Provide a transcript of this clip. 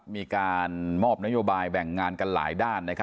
มีการมอบนโยบายแบ่งงานกันหลายด้าน